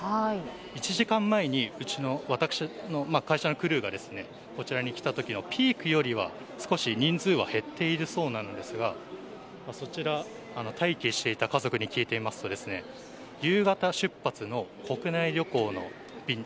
１時間前に私の会社のクルーがこちらに来たときのピークよりは、少し人数は減っているようなんですが、待機していた家族に聞いてみますと、夕方出発の国内旅行の便